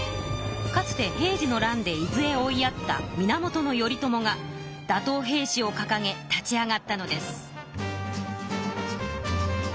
かつて平治の乱で伊豆へ追いやった源頼朝が打とう平氏をかかげ立ち上がったのです。